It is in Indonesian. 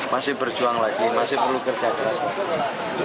masih berjuang lagi masih perlu kerja keras lagi